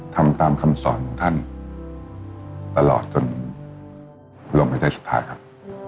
ทำตามคำสอนของท่านตลอดจนลมหายใจสุดท้ายครับ